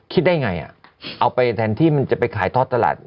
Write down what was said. คิดได้ไงเอาไปแทนที่มันจะไปขายทอดตลาด